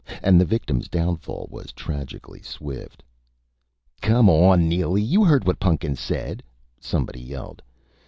And the victim's downfall was tragically swift. "Come on, Neely! You heard what Pun'kins said," somebody yelled.